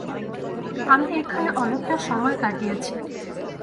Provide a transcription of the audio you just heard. আমি এখানে অনেকটা সময় কাটিয়েছি।